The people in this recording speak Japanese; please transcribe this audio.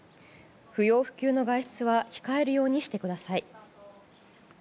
不要不急の外出は控えるようにしてください。